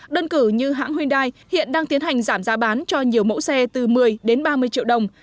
đơn cử như hãng hyundai hiện đang tiến hành giảm giá bán cho nhiều mẫu xe từ một mươi đến ba mươi triệu đồng